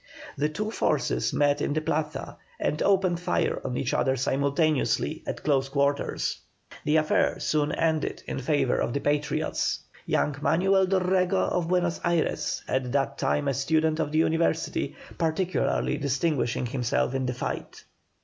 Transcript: The two forces met in the Plaza and opened fire on each other simultaneously, at close quarters. The affair soon ended in favour of the Patriots, young Manuel Dorrego, of Buenos Ayres, at that time a student of the University, particularly distinguishing himself in the fight.